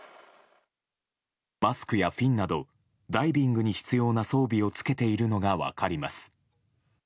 マスクやフィンなどダイビングに必要な装備をつけているのが分かります。